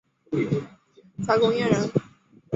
贾公彦人。